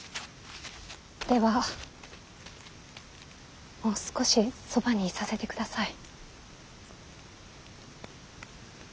ではもう少しそばにいさせてください。